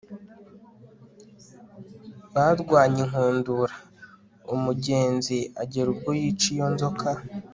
barwanye inkundura, umugenzi agera ubwo yica iyo nzoka